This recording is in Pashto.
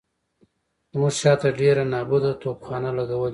زموږ شاته ډېره نابوده توپخانه لګولې وه.